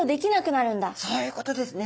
そういうことですね。